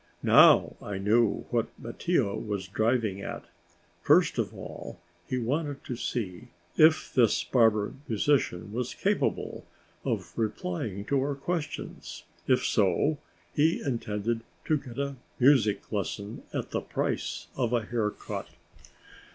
Now I knew what Mattia was driving at! First of all, he wanted to see if this barber musician was capable of replying to our questions; if so, he intended to get a music lesson at the price of a hair cut.